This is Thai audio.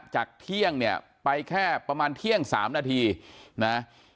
จากเที่ยงเนี่ยไปแค่ประมาณเที่ยง๓นาทีนะ